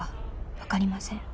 「分かりません」